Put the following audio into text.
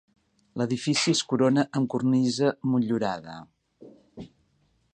L'edifici es corona amb cornisa motllurada.